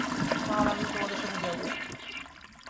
তাহলে আমিও তোমাদের সাথে যাবো।